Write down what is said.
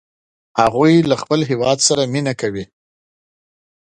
هغوی له خپل هیواد سره مینه کوي